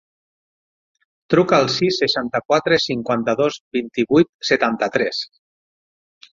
Truca al sis, seixanta-quatre, cinquanta-dos, vint-i-vuit, setanta-tres.